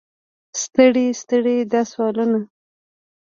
ستړي ستړي دا سوالونه.